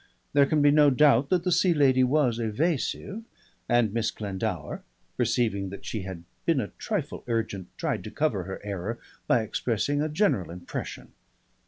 There can be no doubt that the Sea Lady was evasive, and Miss Glendower, perceiving that she had been a trifle urgent, tried to cover her error by expressing a general impression.